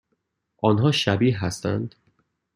آنها شبیه هستند؟